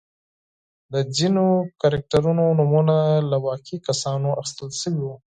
د ځینو کرکټرونو نومونه له واقعي کسانو اخیستل شوي وو.